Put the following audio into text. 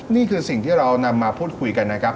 นี่คือสิ่งที่เรานำมาพูดคุยกันนะครับ